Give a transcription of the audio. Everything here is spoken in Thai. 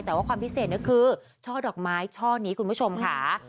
แต่ว่าความพิเศษก็คือช่อดอกไม้ช่อนี้คุณผู้ชมค่ะ